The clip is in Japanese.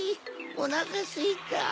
おなかすいた。